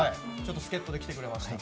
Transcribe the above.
助っ人で来てくれました。